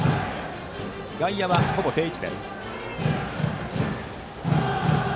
外野は、ほぼ定位置です。